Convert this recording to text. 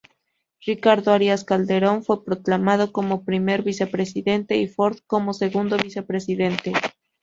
Ricardo Arias Calderón fue proclamado como primer vicepresidente, y Ford como segundo vicepresidente.